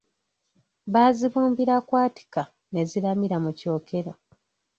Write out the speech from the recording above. Baazibumbira kwatika, ne ziramira mu kyokero.